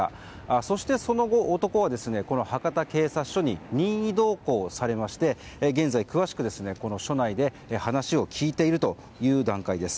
そして、その後、男はこの博多警察署に任意同行されまして現在、詳しく署内で話を聞いているという段階です。